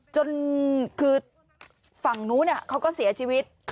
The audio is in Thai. จนคือฝั่งนู้นเขาก็เสียชีวิต